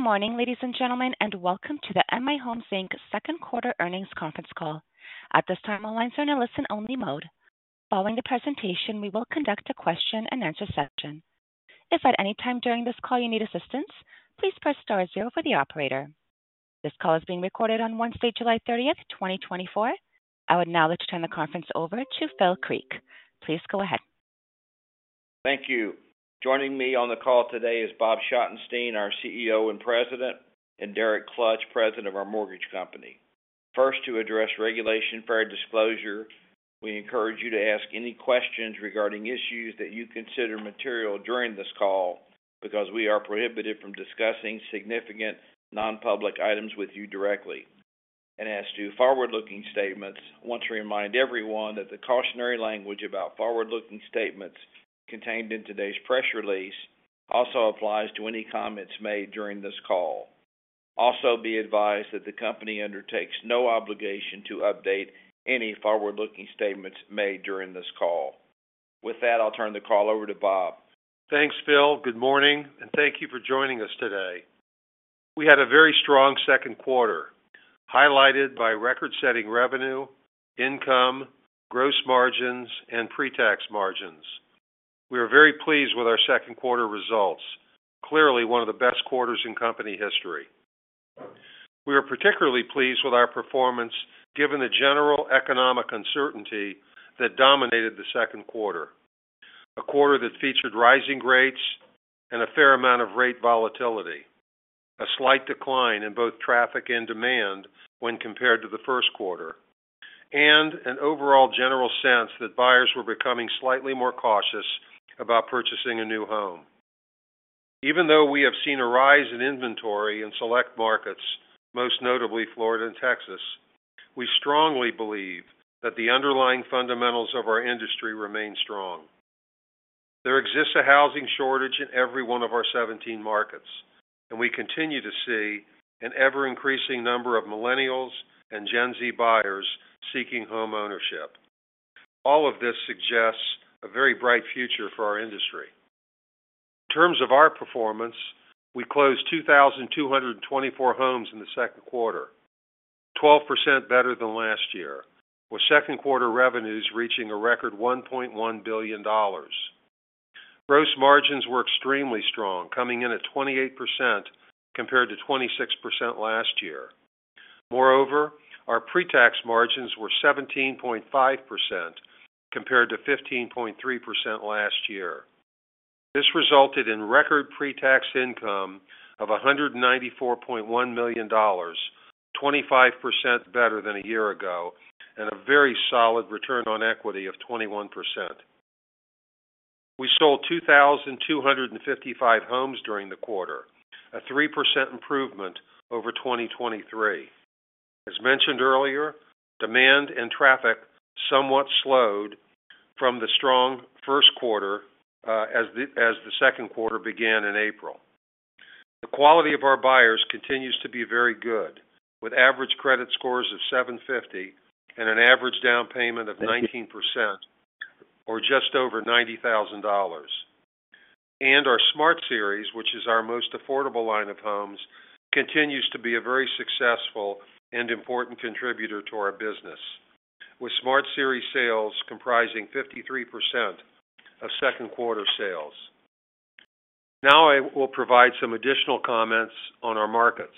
Good morning, ladies and gentlemen, and welcome to the M/I Homes Inc. second quarter earnings conference call. At this time, all lines are in a listen-only mode. Following the presentation, we will conduct a question-and-answer session. If at any time during this call you need assistance, please press star zero for the operator. This call is being recorded on Wednesday, July 30, 2024. I would now like to turn the conference over to Phil Creek. Please go ahead. Thank you. Joining me on the call today is Bob Schottenstein, our CEO and President, and Derek Klotz, President of our mortgage company. First, to address Regulation Fair Disclosure, we encourage you to ask any questions regarding issues that you consider material during this call, because we are prohibited from discussing significant non-public items with you directly. As to forward-looking statements, I want to remind everyone that the cautionary language about forward-looking statements contained in today's press release also applies to any comments made during this call. Also, be advised that the company undertakes no obligation to update any forward-looking statements made during this call. With that, I'll turn the call over to Bob. Thanks, Phil. Good morning, and thank you for joining us today. We had a very strong second quarter, highlighted by record-setting revenue, income, gross margins, and pre-tax margins. We are very pleased with our second quarter results. Clearly one of the best quarters in company history. We are particularly pleased with our performance, given the general economic uncertainty that dominated the second quarter. A quarter that featured rising rates and a fair amount of rate volatility, a slight decline in both traffic and demand when compared to the first quarter, and an overall general sense that buyers were becoming slightly more cautious about purchasing a new home. Even though we have seen a rise in inventory in select markets, most notably Florida and Texas, we strongly believe that the underlying fundamentals of our industry remain strong. There exists a housing shortage in every one of our 17 markets, and we continue to see an ever-increasing number of millennials and Gen Z buyers seeking homeownership. All of this suggests a very bright future for our industry. In terms of our performance, we closed 2,224 homes in the second quarter, 12% better than last year, with second-quarter revenues reaching a record $1.1 billion. Gross margins were extremely strong, coming in at 28% compared to 26% last year. Moreover, our pre-tax margins were 17.5% compared to 15.3% last year. This resulted in record pre-tax income of $194.1 million, 25% better than a year ago, and a very solid return on equity of 21%. We sold 2,255 homes during the quarter, a 3% improvement over 2023. As mentioned earlier, demand and traffic somewhat slowed from the strong first quarter as the second quarter began in April. The quality of our buyers continues to be very good, with average credit scores of 750 and an average down payment of 19% or just over $90,000. And our Smart Series, which is our most affordable line of homes, continues to be a very successful and important contributor to our business, with Smart Series sales comprising 53% of second-quarter sales. Now I will provide some additional comments on our markets.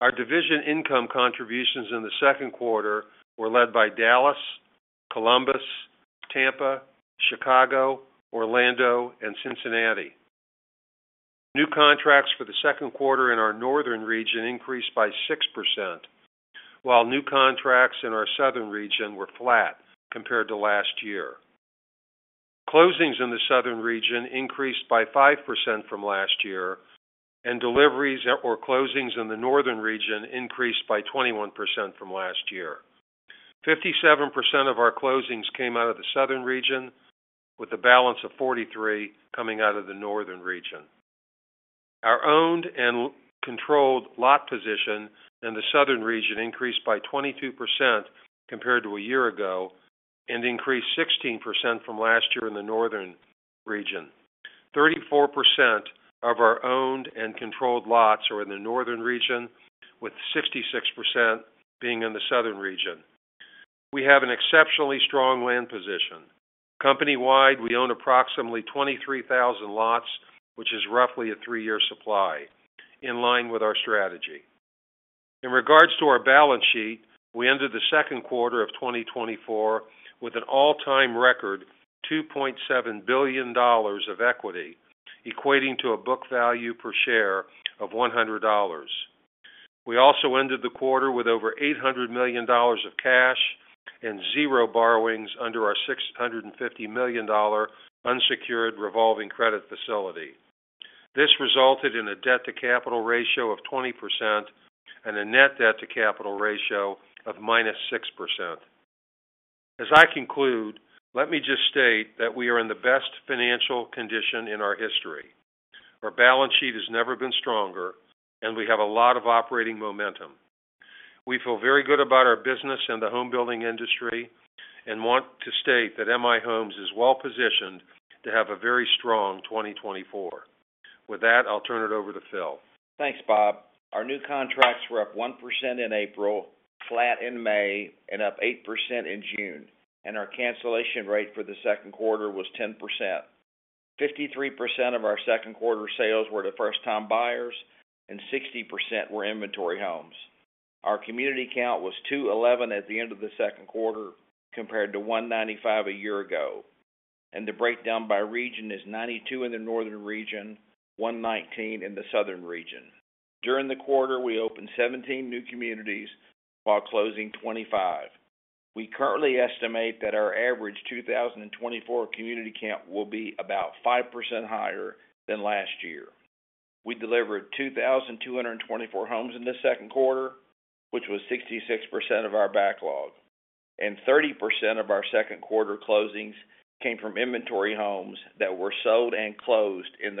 Our division income contributions in the second quarter were led by Dallas, Columbus, Tampa, Chicago, Orlando, and Cincinnati. New contracts for the second quarter in our Northern Region increased by 6%, while new contracts in our Southern Region were flat compared to last year. Closings in the Southern Region increased by 5% from last year, and deliveries or closings in the Northern Region increased by 21% from last year. 57% of our closings came out of the Southern Region, with a balance of 43 coming out of the Northern Region. Our owned and controlled lot position in the Southern Region increased by 22% compared to a year ago and increased 16% from last year in the Northern Region. 34% of our owned and controlled lots are in the Northern Region, with 66% being in the Southern Region. We have an exceptionally strong land position. Company-wide, we own approximately 23,000 lots, which is roughly a 3-year supply, in line with our strategy. In regards to our balance sheet, we ended the second quarter of 2024 with an all-time record $2.7 billion of equity, equating to a book value per share of $100. We also ended the quarter with over $800 million of cash and 0 borrowings under our $650 million unsecured revolving credit facility. This resulted in a debt-to-capital ratio of 20% and a net debt-to-capital ratio of -6%. As I conclude, let me just state that we are in the best financial condition in our history. Our balance sheet has never been stronger, and we have a lot of operating momentum.... We feel very good about our business and the home building industry, and want to state that M/I Homes is well-positioned to have a very strong 2024. With that, I'll turn it over to Phil. Thanks, Bob. Our new contracts were up 1% in April, flat in May, and up 8% in June, and our cancellation rate for the second quarter was 10%. 53% of our second quarter sales were to first-time buyers, and 60% were inventory homes. Our community count was 211 at the end of the second quarter, compared to 195 a year ago, and the breakdown by region is 92 in the Northern Region, 119 in the Southern Region. During the quarter, we opened 17 new communities while closing 25. We currently estimate that our average 2024 community count will be about 5% higher than last year. We delivered 2,224 homes in the second quarter, which was 66% of our backlog, and 30% of our second quarter closings came from inventory homes that were sold and closed in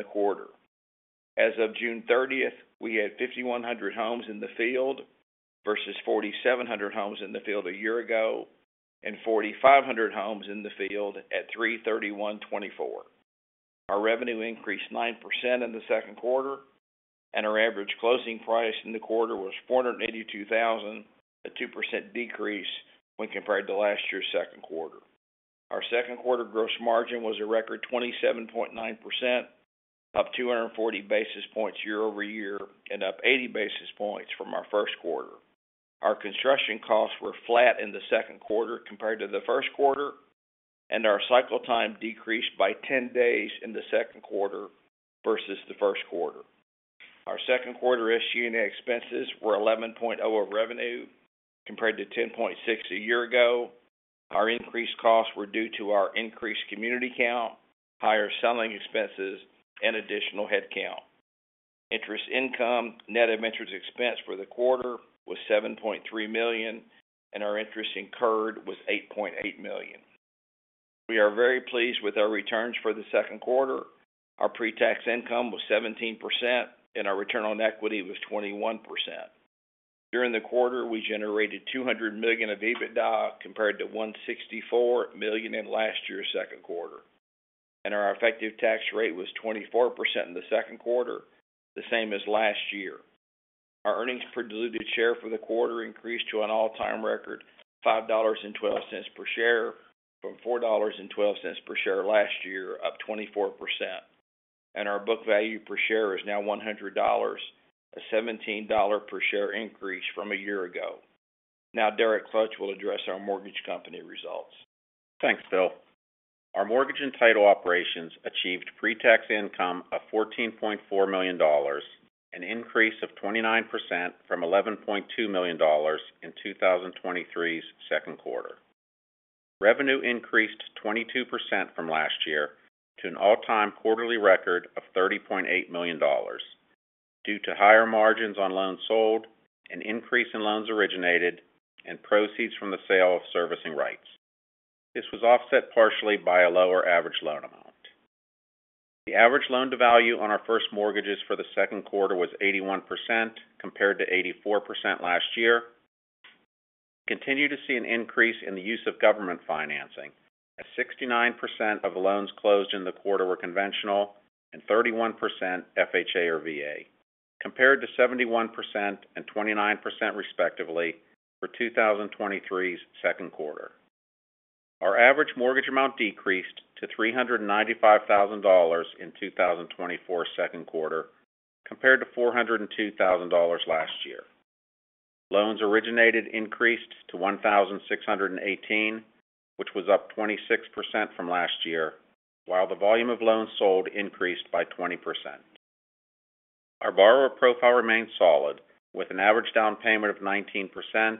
the quarter. As of June 30, we had 5,100 homes in the field, versus 4,700 homes in the field a year ago, and 4,500 homes in the field at 3/31/2024. Our revenue increased 9% in the second quarter, and our average closing price in the quarter was $482,000, a 2% decrease when compared to last year's second quarter. Our second quarter gross margin was a record 27.9%, up 240 basis points year-over-year, and up 80 basis points from our first quarter. Our construction costs were flat in the second quarter compared to the first quarter, and our cycle time decreased by 10 days in the second quarter versus the first quarter. Our second quarter issue expenses were 11.0 revenue, compared to 10.6 a year ago. Our increased costs were due to our increased community count, higher selling expenses, and additional headcount. Interest income, net of interest expense for the quarter was $7.3 million, and our interest incurred was $8.8 million. We are very pleased with our returns for the second quarter. Our pre-tax income was 17%, and our return on equity was 21%. During the quarter, we generated $200 million of EBITDA, compared to $164 million in last year's second quarter, and our effective tax rate was 24% in the second quarter, the same as last year. Our earnings per diluted share for the quarter increased to an all-time record $5.12 per share, from $4.12 per share last year, up 24%. Our book value per share is now $100, a $17 per share increase from a year ago. Now, Derek Klotz will address our mortgage company results. Thanks, Phil. Our mortgage and title operations achieved pre-tax income of $14.4 million, an increase of 29% from $11.2 million in 2023's second quarter. Revenue increased 22% from last year to an all-time quarterly record of $30.8 million, due to higher margins on loans sold, an increase in loans originated, and proceeds from the sale of servicing rights. This was offset partially by a lower average loan amount. The average loan to value on our first mortgages for the second quarter was 81%, compared to 84% last year. Continue to see an increase in the use of government financing, as 69% of loans closed in the quarter were conventional and 31% FHA or VA, compared to 71% and 29% respectively for 2023's second quarter. Our average mortgage amount decreased to $395,000 in 2024's second quarter, compared to $402,000 last year. Loans originated increased to 1,618, which was up 26% from last year, while the volume of loans sold increased by 20%. Our borrower profile remains solid, with an average down payment of 19% and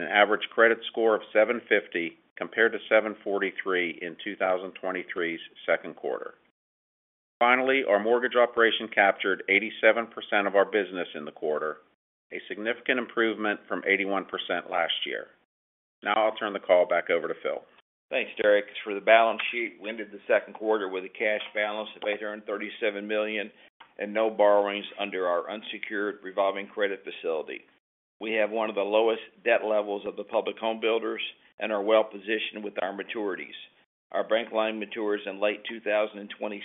an average credit score of 750, compared to 743 in 2023's second quarter. Finally, our mortgage operation captured 87% of our business in the quarter, a significant improvement from 81% last year. Now I'll turn the call back over to Phil. Thanks, Derek. For the balance sheet, we ended the second quarter with a cash balance of $837 million, and no borrowings under our unsecured revolving credit facility. We have one of the lowest debt levels of the public home builders and are well-positioned with our maturities. Our bank line matures in late 2026,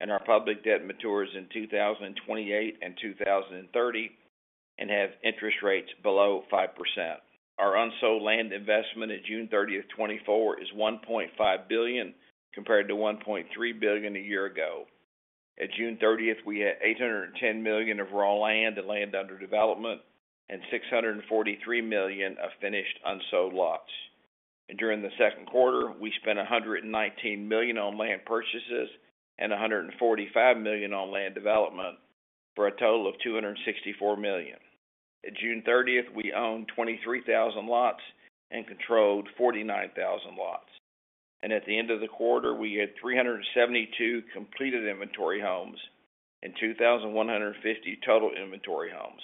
and our public debt matures in 2028 and 2030, and have interest rates below 5%. Our unsold land investment at June 30, 2024, is $1.5 billion, compared to $1.3 billion a year ago. At June 30, we had $810 million of raw land and land under development, and $643 million of finished, unsold lots. During the second quarter, we spent $119 million on land purchases and $145 million on land development, for a total of $264 million. At June 30th, we owned 23,000 lots and controlled 49,000 lots, and at the end of the quarter, we had 372 completed inventory homes and 2,150 total inventory homes.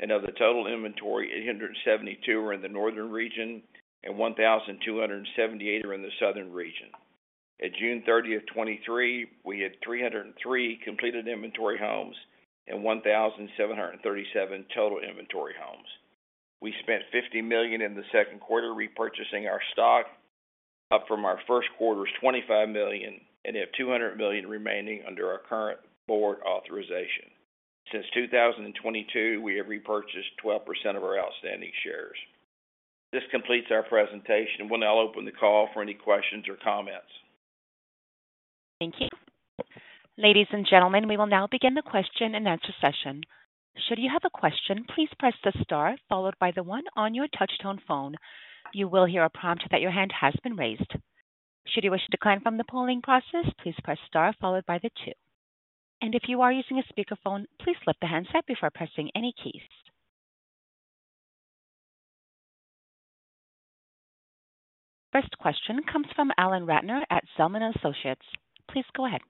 Of the total inventory, 872 were in the northern region and 1,278 are in the southern region. ...At June 30, 2023, we had 303 completed inventory homes and 1,737 total inventory homes. We spent $50 million in the second quarter repurchasing our stock, up from our first quarter's $25 million, and have $200 million remaining under our current board authorization. Since 2022, we have repurchased 12% of our outstanding shares. This completes our presentation. We'll now open the call for any questions or comments. Thank you. Ladies and gentlemen, we will now begin the question-and-answer session. Should you have a question, please press the star followed by the one on your touchtone phone. You will hear a prompt that your hand has been raised. Should you wish to decline from the polling process, please press star followed by the two. If you are using a speakerphone, please lift the handset before pressing any keys. First question comes from Alan Ratner at Zelman & Associates. Please go ahead.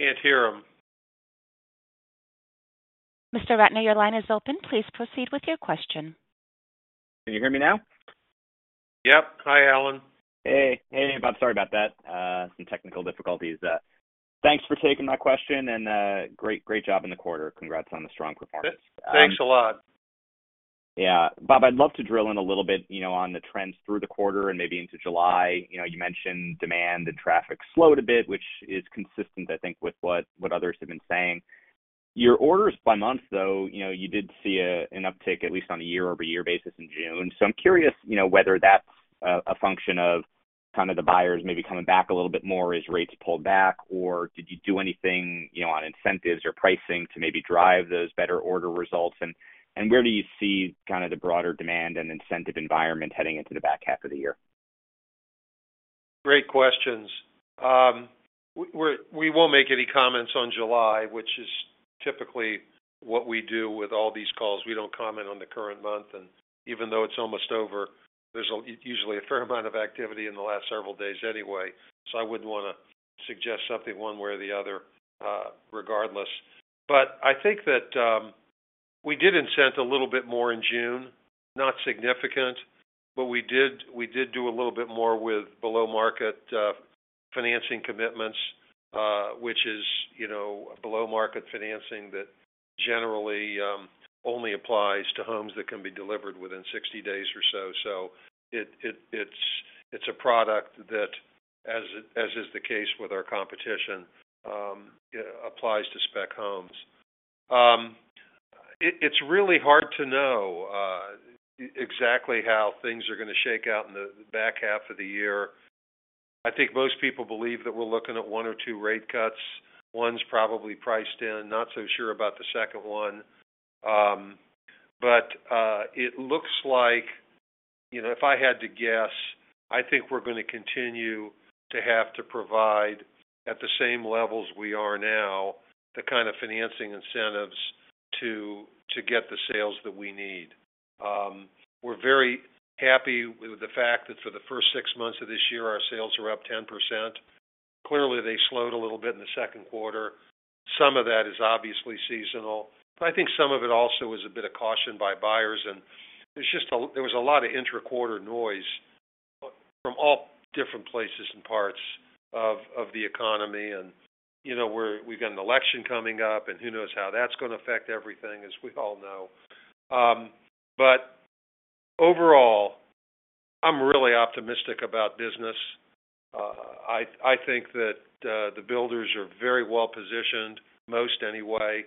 Can't hear him. Mr. Ratner, your line is open. Please proceed with your question. Can you hear me now? Yep. Hi, Alan. Hey. Hey, Bob, sorry about that. Some technical difficulties. Thanks for taking my question, and great, great job in the quarter. Congrats on the strong performance. Thanks a lot. Yeah. Bob, I'd love to drill in a little bit, you know, on the trends through the quarter and maybe into July. You know, you mentioned demand and traffic slowed a bit, which is consistent, I think, with what others have been saying. Your orders by month, though, you know, you did see an uptick, at least on a year-over-year basis in June. So I'm curious, you know, whether that's a function of kind of the buyers maybe coming back a little bit more as rates pull back, or did you do anything, you know, on incentives or pricing to maybe drive those better order results? And where do you see kind of the broader demand and incentive environment heading into the back half of the year? Great questions. We're—we won't make any comments on July, which is typically what we do with all these calls. We don't comment on the current month, and even though it's almost over, there's usually a fair amount of activity in the last several days anyway, so I wouldn't want to suggest something one way or the other, regardless. But I think that, we did incent a little bit more in June, not significant, but we did, we did do a little bit more with below-market financing commitments, which is, you know, below-market financing that generally only applies to homes that can be delivered within 60 days or so. So it's a product that, as is the case with our competition, applies to Spec homes. It's really hard to know exactly how things are going to shake out in the back half of the year. I think most people believe that we're looking at one or two rate cuts. One's probably priced in, not so sure about the second one. But it looks like, you know, if I had to guess, I think we're going to continue to have to provide, at the same levels we are now, the kind of financing incentives to get the sales that we need. We're very happy with the fact that for the first six months of this year, our sales are up 10%. Clearly, they slowed a little bit in the second quarter. Some of that is obviously seasonal, but I think some of it also is a bit of caution by buyers, and there's just a... There was a lot of intra-quarter noise from all different places and parts of the economy, and, you know, we've got an election coming up, and who knows how that's going to affect everything, as we all know. But overall, I'm really optimistic about business. I think that the builders are very well-positioned, most anyway.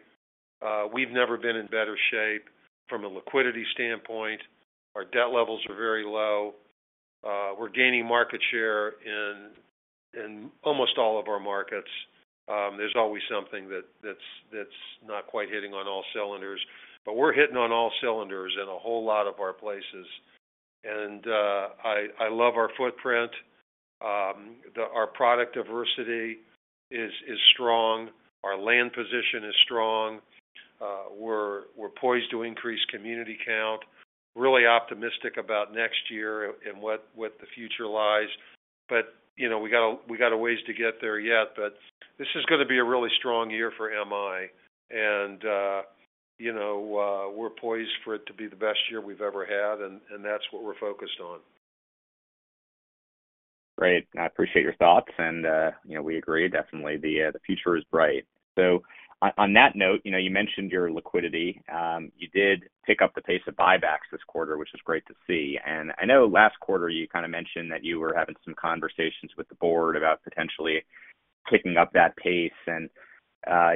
We've never been in better shape from a liquidity standpoint. Our debt levels are very low. We're gaining market share in almost all of our markets. There's always something that's not quite hitting on all cylinders, but we're hitting on all cylinders in a whole lot of our places. And, I love our footprint. Our product diversity is strong, our land position is strong. We're poised to increase community count. Really optimistic about next year and what the future lies. But, you know, we got a ways to get there yet, but this is going to be a really strong year for M/I, and, you know, we're poised for it to be the best year we've ever had, and that's what we're focused on. Great. I appreciate your thoughts, and, you know, we agree, definitely, the future is bright. So on that note, you know, you mentioned your liquidity. You did pick up the pace of buybacks this quarter, which is great to see. And I know last quarter, you kind of mentioned that you were having some conversations with the board about potentially kicking up that pace, and,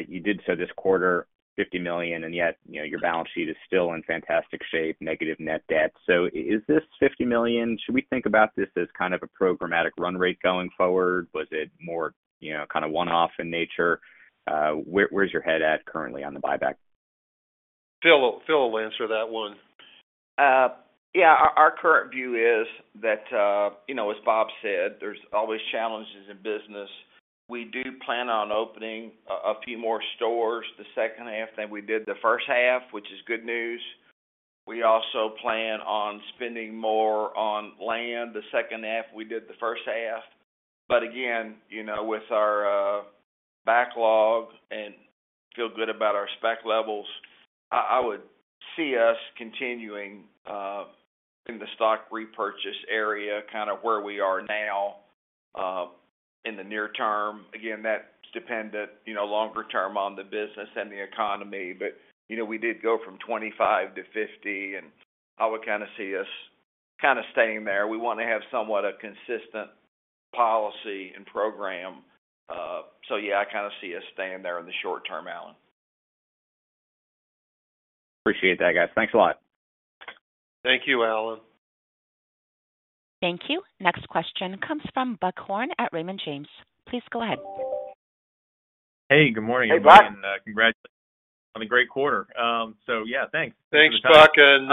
you did so this quarter, $50 million, and yet, you know, your balance sheet is still in fantastic shape, negative net debt. So is this $50 million? Should we think about this as kind of a programmatic run rate going forward? Was it more, you know, kind of one-off in nature? Where's your head at currently on the buyback? Phil, Phil will answer that one. Yeah, our current view is that, you know, as Bob said, there's always challenges in business. We do plan on opening a few more stores the second half than we did the first half, which is good news. We also plan on spending more on land the second half we did the first half. But again, you know, with our backlog and feel good about our spec levels. I would see us continuing in the stock repurchase area, kind of where we are now, in the near term. Again, that's dependent, you know, longer term on the business and the economy. But, you know, we did go from $25 to $50, and I would kind of see us kind of staying there. We want to have somewhat a consistent policy and program. Yeah, I kind of see us staying there in the short term, Alan. Appreciate that, guys. Thanks a lot. Thank you, Alan. Thank you. Next question comes from Buck Horne at Raymond James. Please go ahead. Hey, good morning. Hey, Buck. Congrats on the great quarter. So yeah, thanks. Thanks, Buck. And,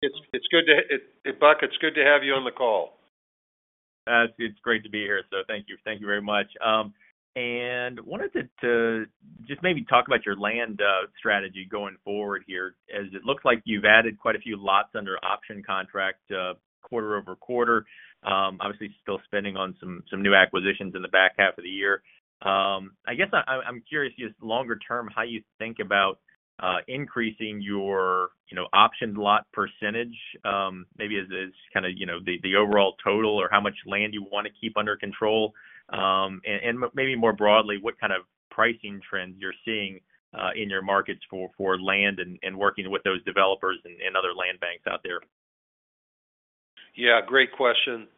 it's good to... Buck, it's good to have you on the call. It's great to be here, so thank you. Thank you very much. And wanted to just maybe talk about your land strategy going forward here, as it looks like you've added quite a few lots under option contract quarter-over-quarter. Obviously, still spending on some new acquisitions in the back half of the year. I guess I'm curious, just longer term, how you think about increasing your, you know, option lot percentage, maybe as kind of, you know, the overall total, or how much land you want to keep under control. And maybe more broadly, what kind of pricing trends you're seeing in your markets for land and working with those developers and other land banks out there? Yeah, great question.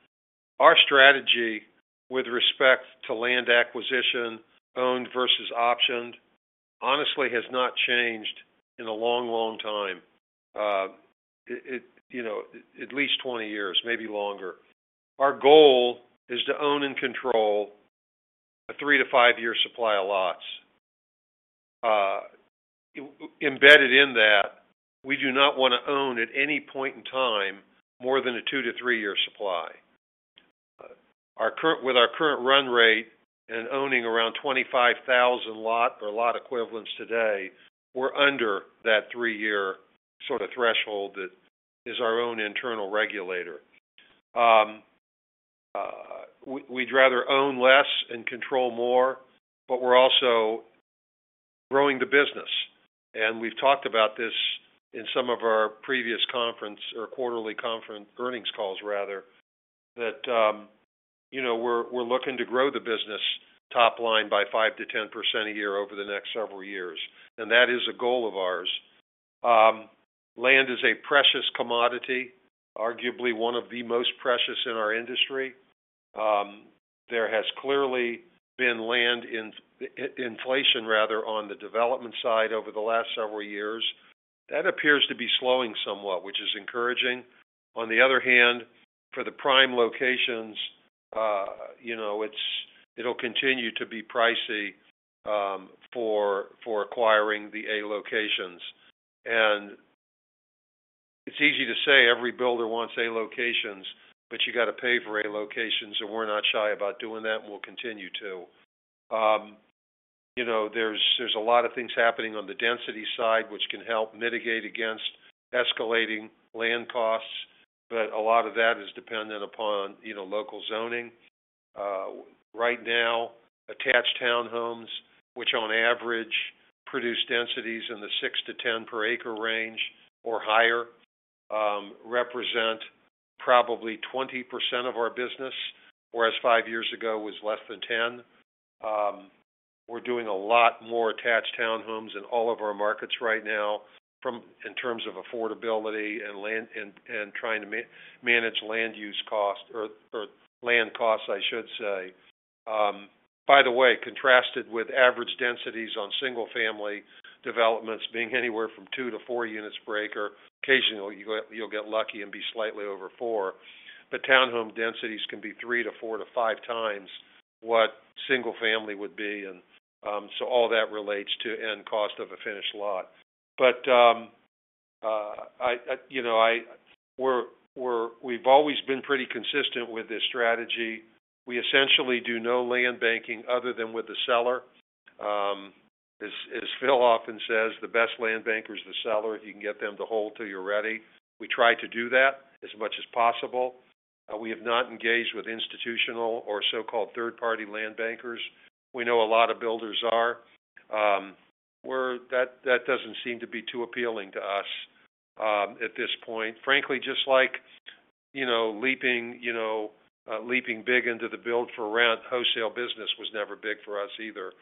Our strategy with respect to land acquisition, owned versus optioned, honestly has not changed in a long, long time. You know, at least 20 years, maybe longer. Our goal is to own and control a 3- to 5-year supply of lots. Embedded in that, we do not want to own, at any point in time, more than a 2- to 3-year supply. With our current run rate and owning around 25,000 lot or lot equivalents today, we're under that 3-year sort of threshold that is our own internal regulator. We'd rather own less and control more, but we're also growing the business. We've talked about this in some of our previous conference or quarterly conference, earnings calls rather, that, you know, we're looking to grow the business top line by 5%-10% a year over the next several years, and that is a goal of ours. Land is a precious commodity, arguably one of the most precious in our industry. There has clearly been land inflation rather, on the development side over the last several years. That appears to be slowing somewhat, which is encouraging. On the other hand, for the prime locations, you know, it'll continue to be pricey, for acquiring the A locations. And it's easy to say every builder wants A locations, but you got to pay for A locations, and we're not shy about doing that, and we'll continue to. You know, there's a lot of things happening on the density side, which can help mitigate against escalating land costs, but a lot of that is dependent upon, you know, local zoning. Right now, attached townhomes, which on average produce densities in the 6-10 per acre range or higher, represent probably 20% of our business, whereas 5 years ago was less than 10%. We're doing a lot more attached townhomes in all of our markets right now, in terms of affordability and land, and trying to manage land use costs or land costs, I should say. By the way, contrasted with average densities on single-family developments being anywhere from 2-4 units per acre. Occasionally, you'll get lucky and be slightly over 4. But townhome densities can be 3 to 4 to 5 times what single-family would be, and so all that relates to end cost of a finished lot. But you know, we've always been pretty consistent with this strategy. We essentially do no land banking other than with the seller. As Phil often says, the best land banker is the seller, if you can get them to hold till you're ready. We try to do that as much as possible. We have not engaged with institutional or so-called third-party land bankers. We know a lot of builders are. That doesn't seem to be too appealing to us at this point. Frankly, just like you know, leaping big into the build for rent, wholesale business was never big for us either.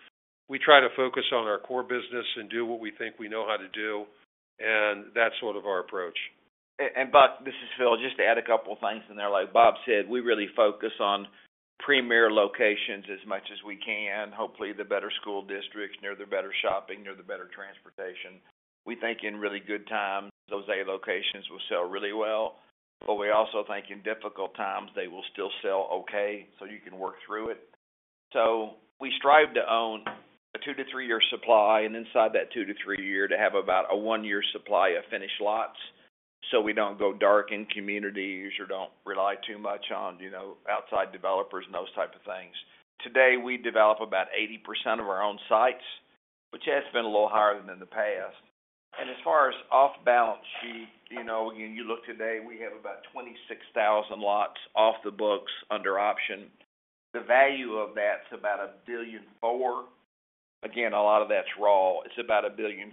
We try to focus on our core business and do what we think we know how to do, and that's sort of our approach. Buck, this is Phil. Just to add a couple of things in there. Like Bob said, we really focus on premier locations as much as we can. Hopefully, the better school districts, near the better shopping, near the better transportation. We think in really good times, those A locations will sell really well, but we also think in difficult times, they will still sell okay, so you can work through it. So we strive to own a 2- to 3-year supply, and inside that 2- to 3-year, to have about a 1-year supply of finished lots, so we don't go dark in communities or don't rely too much on, you know, outside developers and those type of things. Today, we develop about 80% of our own sites, which has been a little higher than in the past. And as far as off-balance sheet, you know, when you look today, we have about 26,000 lots off the books under option. The value of that's about $1.4 billion. Again, a lot of that's raw. It's about $1.4 billion.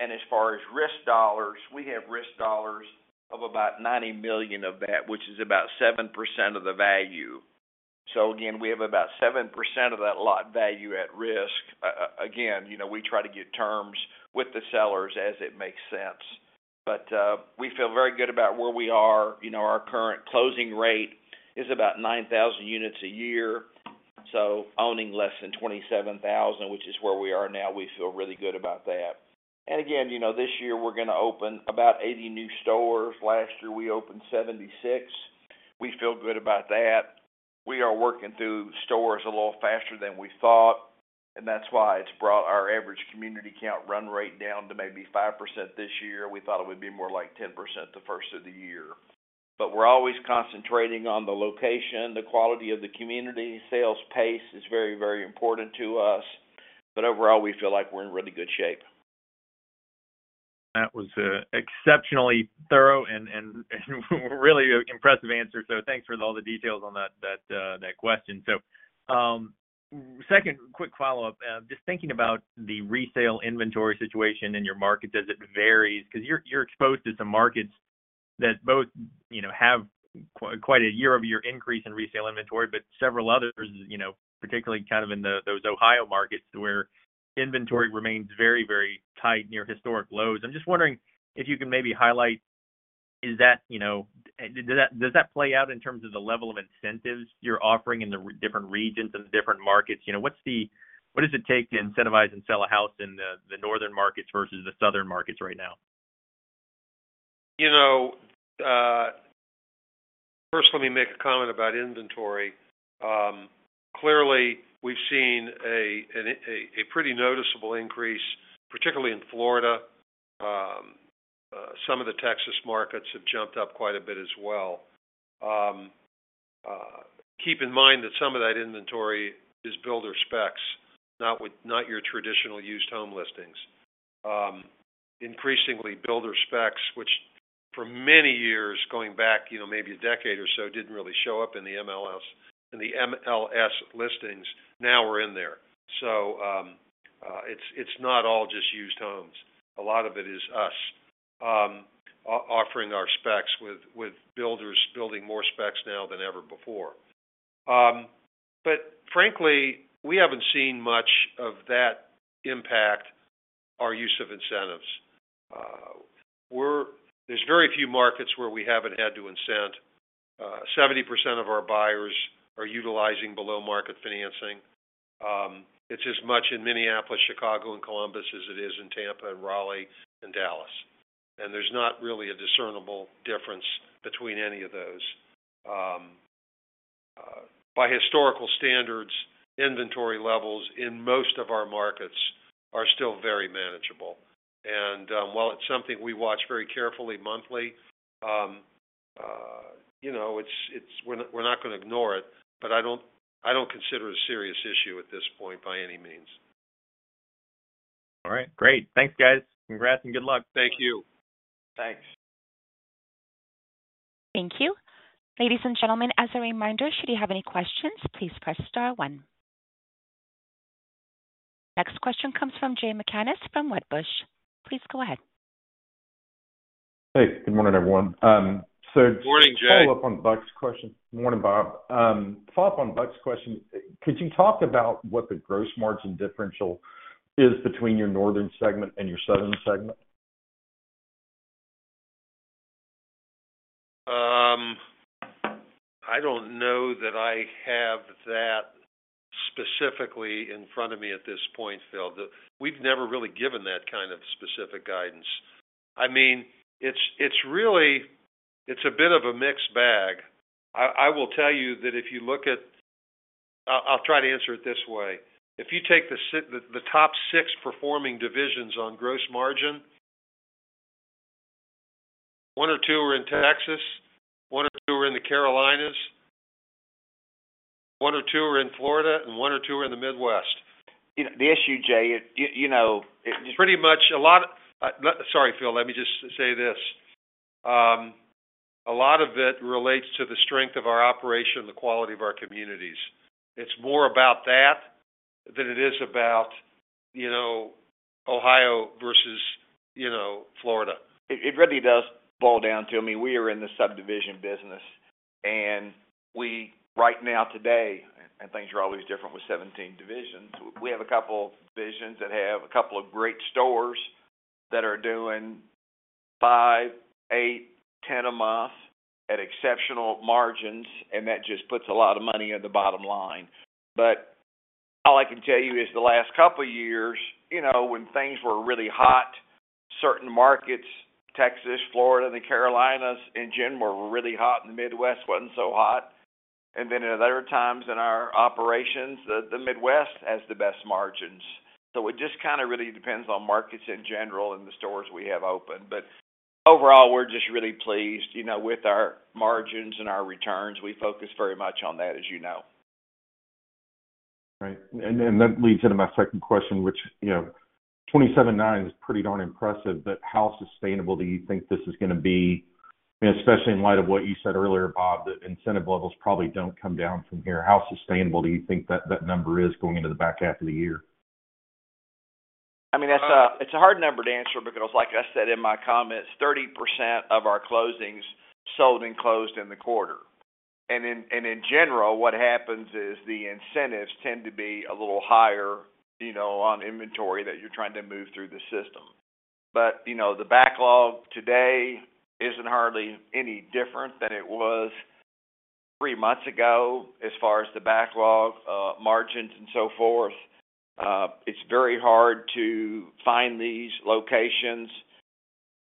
And as far as risk dollars, we have risk dollars of about $90 million of that, which is about 7% of the value. So again, we have about 7% of that lot value at risk. Again, you know, we try to get terms with the sellers as it makes sense, but we feel very good about where we are. You know, our current closing rate is about 9,000 units a year, so owning less than 27,000, which is where we are now, we feel really good about that. And again, you know, this year we're gonna open about 80 new stores. Last year, we opened 76. We feel good about that. We are working through stores a little faster than we thought, and that's why it's brought our average community count run rate down to maybe 5% this year. We thought it would be more like 10% the first of the year. But we're always concentrating on the location, the quality of the community. Sales pace is very, very important to us, but overall, we feel like we're in really good shape. That was exceptionally thorough and really impressive answer. So thanks for all the details on that question. So second quick follow-up. Just thinking about the resale inventory situation in your market as it varies, because you're exposed to some markets that both, you know, have quite a year-over-year increase in resale inventory, but several others, you know, particularly kind of in those Ohio markets, where inventory remains very, very tight, near historic lows. I'm just wondering if you can maybe highlight, is that, you know, does that play out in terms of the level of incentives you're offering in the different regions and the different markets? You know, what's the... What does it take to incentivize and sell a house in the northern markets versus the southern markets right now? You know, first, let me make a comment about inventory. Clearly, we've seen a pretty noticeable increase, particularly in Florida. Some of the Texas markets have jumped up quite a bit as well. Keep in mind that some of that inventory is builder specs, not your traditional used home listings. Increasingly, builder specs, which for many years, going back, you know, maybe a decade or so, didn't really show up in the MLS listings, now are in there. So, it's not all just used homes. A lot of it is us, offering our specs with builders building more specs now than ever before. But frankly, we haven't seen much of that impact our use of incentives. There's very few markets where we haven't had to incent. 70% of our buyers are utilizing below market financing. It's as much in Minneapolis, Chicago, and Columbus as it is in Tampa and Raleigh and Dallas, and there's not really a discernible difference between any of those. By historical standards, inventory levels in most of our markets are still very manageable. While it's something we watch very carefully monthly, you know, it's-- we're not gonna ignore it, but I don't consider it a serious issue at this point by any means. All right, great. Thanks, guys. Congrats and good luck. Thank you. Thanks. Thank you. Ladies and gentlemen, as a reminder, should you have any questions, please press star one. Next question comes from Jay McCanless from Wedbush. Please go ahead. Hey, good morning, everyone. Good morning, Jay. Follow up on Buck's question. Good morning, Bob. Follow up on Buck's question. Could you talk about what the gross margin differential is between your northern segment and your southern segment? I don't know that I have that specifically in front of me at this point, Phil. We've never really given that kind of specific guidance. I mean, it's really a bit of a mixed bag. I will tell you that if you look at... I'll try to answer it this way. If you take the top six performing divisions on gross margin, one or two are in Texas, one or two are in the Carolinas, one or two are in Florida, and one or two are in the Midwest. You know, the issue, Jay, you know, it- Sorry, Phil, let me just say this. A lot of it relates to the strength of our operation, the quality of our communities. It's more about that than it is about, you know, Ohio versus, you know, Florida. It really does boil down to, I mean, we are in the subdivision business, and we, right now, today, and things are always different with 17 divisions, we have a couple of divisions that have a couple of great stores that are doing 5, 8, 10 a month at exceptional margins, and that just puts a lot of money at the bottom line. But all I can tell you is the last couple of years, you know, when things were really hot, certain markets, Texas, Florida, and the Carolinas in general, were really hot, and the Midwest wasn't so hot. Then at other times in our operations, the Midwest has the best margins. It just kind of really depends on markets in general and the stores we have open. But overall, we're just really pleased, you know, with our margins and our returns. We focus very much on that, as you know. Right. And that leads into my second question, which, you know, 27.9 is pretty darn impressive, but how sustainable do you think this is going to be? Especially in light of what you said earlier, Bob, that incentive levels probably don't come down from here. How sustainable do you think that number is going into the back half of the year? I mean, that's a, it's a hard number to answer because, like I said in my comments, 30% of our closings sold and closed in the quarter. And in general, what happens is the incentives tend to be a little higher, you know, on inventory that you're trying to move through the system. But, you know, the backlog today isn't hardly any different than it was three months ago, as far as the backlog, margins and so forth. It's very hard to find these locations,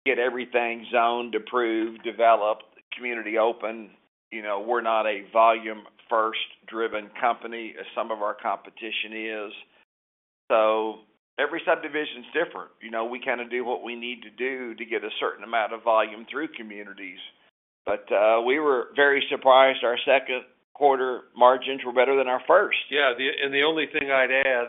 get everything zoned, approved, developed, community open. You know, we're not a volume-first driven company, as some of our competition is. So every subdivision is different. You know, we kind of do what we need to do to get a certain amount of volume through communities. We were very surprised our second quarter margins were better than our first. Yeah, and the only thing I'd add,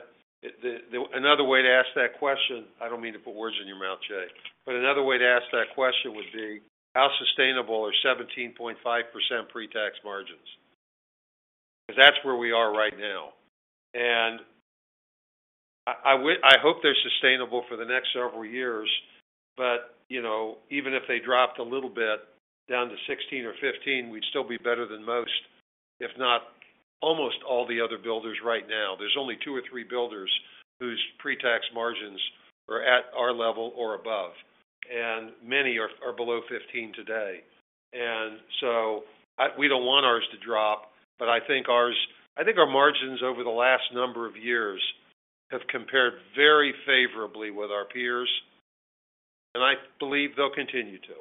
another way to ask that question, I don't mean to put words in your mouth, Jay, but another way to ask that question would be: How sustainable are 17.5% pre-tax margins? Because that's where we are right now. And I hope they're sustainable for the next several years, but, you know, even if they dropped a little bit down to 16 or 15, we'd still be better than most, if not almost all the other builders right now. There's only 2 or 3 builders whose pre-tax margins are at our level or above, and many are below 15 today. And so we don't want ours to drop, but I think our margins over the last number of years have compared very favorably with our peers, and I believe they'll continue to.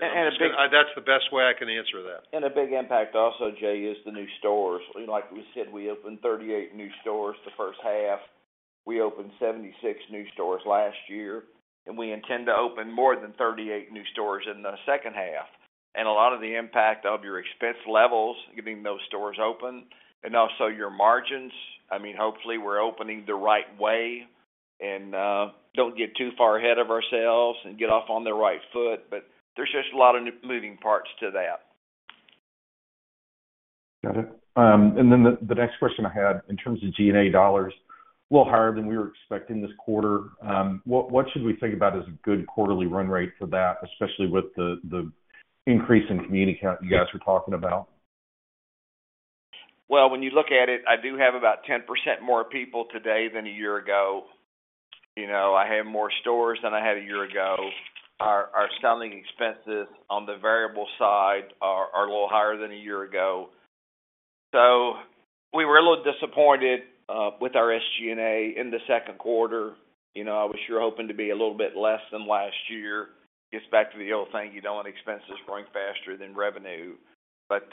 And a big- That's the best way I can answer that. And a big impact also, Jay, is the new stores. Like we said, we opened 38 new stores the first half. We opened 76 new stores last year, and we intend to open more than 38 new stores in the second half. And a lot of the impact of your expense levels, getting those stores open and also your margins, I mean, hopefully, we're opening the right way and don't get too far ahead of ourselves and get off on the right foot, but there's just a lot of moving parts to that. Got it. And then the next question I had in terms of G&A dollars, a little higher than we were expecting this quarter. What should we think about as a good quarterly run rate for that, especially with the increase in community count you guys were talking about? Well, when you look at it, I do have about 10% more people today than a year ago. You know, I have more stores than I had a year ago. Our selling expenses on the variable side are a little higher than a year ago. So we were a little disappointed with our SG&A in the second quarter. You know, I was sure hoping to be a little bit less than last year. Gets back to the old saying, you don't want expenses growing faster than revenue. But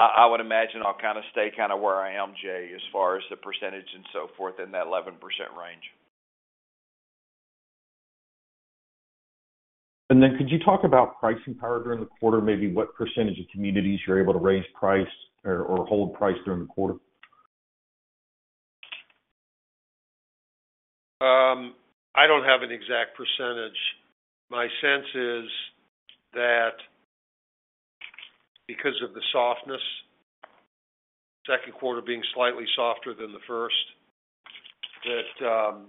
I would imagine I'll kind of stay kind of where I am, Jay, as far as the percentage and so forth in that 11% range. Could you talk about pricing power during the quarter? Maybe what percentage of communities you're able to raise price or hold price during the quarter? I don't have an exact percentage. My sense is that because of the softness, second quarter being slightly softer than the first, that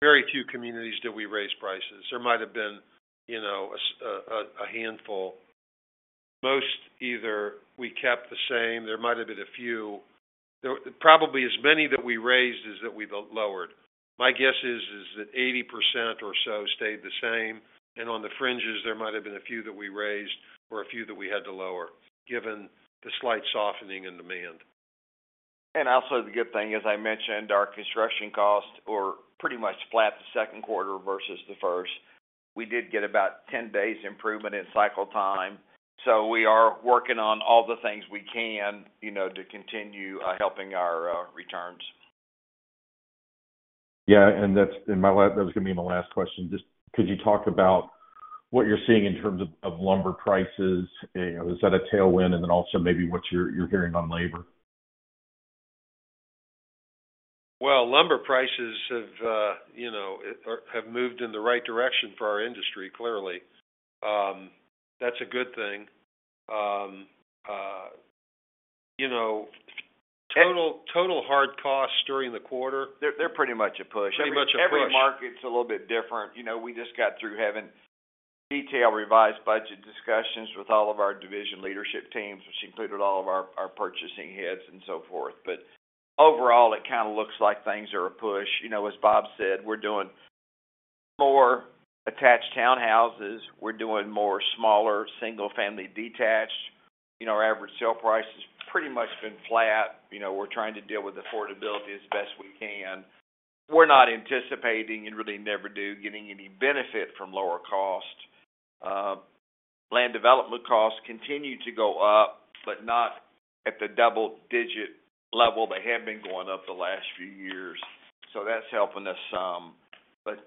very few communities did we raise prices. There might have been, you know, a handful. Most either we kept the same, there might have been a few. There probably as many that we raised as that we lowered. My guess is that 80% or so stayed the same, and on the fringes, there might have been a few that we raised or a few that we had to lower, given the slight softening in demand. Also, the good thing, as I mentioned, our construction costs were pretty much flat the second quarter versus the first. We did get about 10 days improvement in cycle time, so we are working on all the things we can, you know, to continue helping our returns. Yeah, and that was going to be my last question. Just could you talk about what you're seeing in terms of lumber prices? Is that a tailwind? And then also, maybe what you're hearing on labor. Well, lumber prices have, you know, moved in the right direction for our industry, clearly. That's a good thing. You know, total hard costs during the quarter- They're pretty much a push. Pretty much a push. Every market's a little bit different. You know, we just got through having detailed revised budget discussions with all of our division leadership teams, which included all of our purchasing heads and so forth. But overall, it kind of looks like things are a push. You know, as Bob said, we're doing more attached townhouses, we're doing more smaller, single-family detached. You know, our average sale price has pretty much been flat. You know, we're trying to deal with affordability as best we can. We're not anticipating, and really never do, getting any benefit from lower cost. Land development costs continue to go up, but not at the double digit level. They have been going up the last few years, so that's helping us some. But,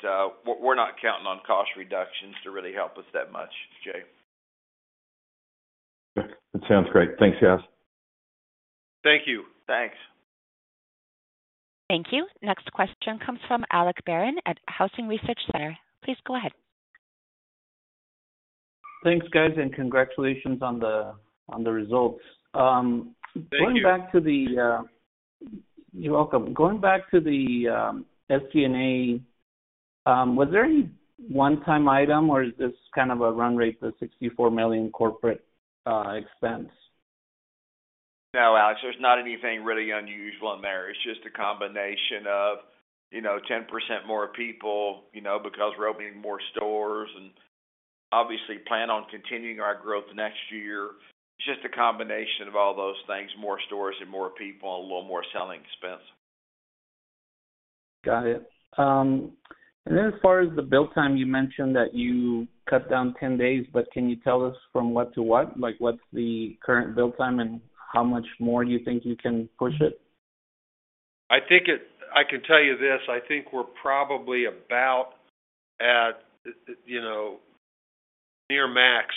we're not counting on cost reductions to really help us that much, Jay. It sounds great. Thanks, guys. Thank you. Thanks. Thank you. Next question comes from Alex Barron at Housing Research Center. Please go ahead. Thanks, guys, and congratulations on the results. Thank you. Going back to the, You're welcome. Going back to the SDNA, was there any one-time item, or is this kind of a run rate for $64 million corporate expense? No, Alex, there's not anything really unusual in there. It's just a combination of, you know, 10% more people, you know, because we're opening more stores and obviously plan on continuing our growth next year. It's just a combination of all those things, more stores and more people and a little more selling expense. Got it. Then as far as the build time, you mentioned that you cut down 10 days, but can you tell us from what to what? Like, what's the current build time, and how much more do you think you can push it? I think, I can tell you this, I think we're probably about at, you know, near max.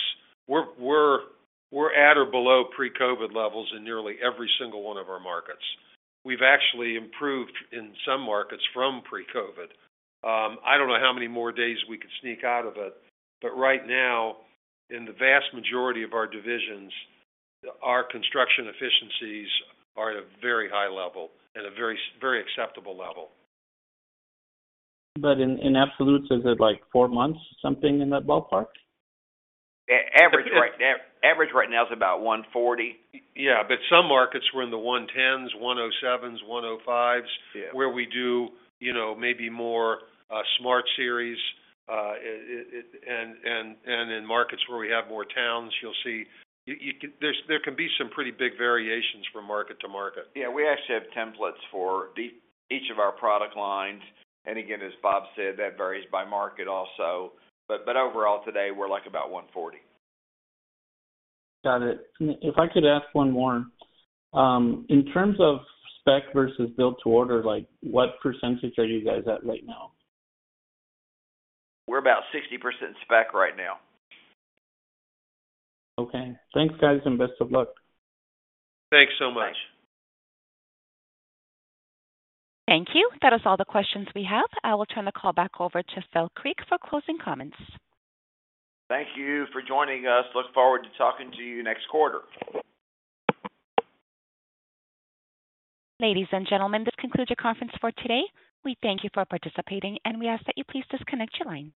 We're at or below pre-COVID levels in nearly every single one of our markets. We've actually improved in some markets from pre-COVID. I don't know how many more days we could sneak out of it, but right now, in the vast majority of our divisions, our construction efficiencies are at a very high level and a very, very acceptable level. But in absolutes, is it like four months, something in that ballpark? Average right now, average right now is about 140. Yeah, but some markets were in the 110s, 107s, 105s- Yeah. - where we do, you know, maybe more smart series, it and in markets where we have more towns, you'll see... You can-- there's, there can be some pretty big variations from market to market. Yeah, we actually have templates for each of our product lines, and again, as Bob said, that varies by market also, but overall, today, we're like about 140. Got it. If I could ask one more. In terms of spec versus build to order, like, what percentage are you guys at right now? We're about 60% spec right now. Okay. Thanks, guys, and best of luck. Thanks so much. Thanks. Thank you. That is all the questions we have. I will turn the call back over to Phil Creek for closing comments. Thank you for joining us. Look forward to talking to you next quarter. Ladies and gentlemen, this concludes your conference for today. We thank you for participating, and we ask that you please disconnect your line.